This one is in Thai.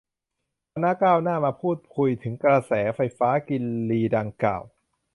คณะก้าวหน้า มาพูดคุยถึงกระแสเสาไฟฟ้ากินรีดังกล่าว